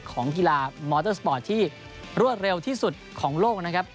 ของกีฬามอเตอร์สปอร์ตที่รวดเร็วที่สุดของโลกนะครับ